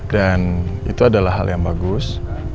dan itu adalah hal yang bagus